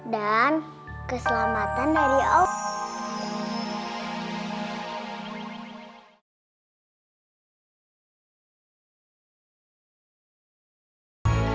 dan keselamatan dari om jaromata dezenap